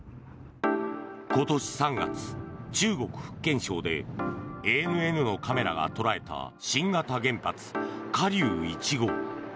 今年３月、中国・福建省でＡＮＮのカメラが捉えた新型原発、華竜１号。